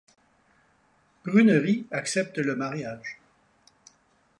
Brunerie accepte le mariage.